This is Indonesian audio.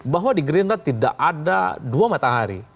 bahwa di gerindra tidak ada dua matahari